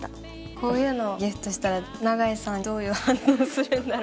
こういうのギフトしたら長井さんどういう反応するんだろう？